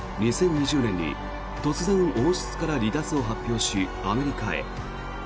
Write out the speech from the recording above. ２０２０年に突然、王室から離脱を発表しアメリカへ。